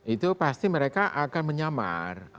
itu pasti mereka akan menyamar